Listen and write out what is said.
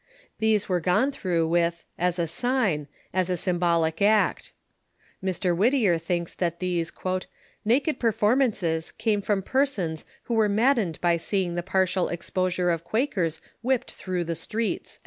These were gone through with as a sign, as a symbolic act. Mr. Whittier thinks that these "naked performances came from persons who were maddened by seeing the partial exposure of Quak ers whipped through the streets."